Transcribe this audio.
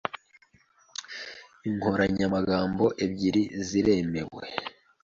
Inkoranyamagambo ebyiri ziremewe .